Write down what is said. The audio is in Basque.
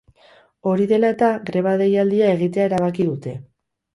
Hori dela eta, greba deialdia egitea erabaki dute.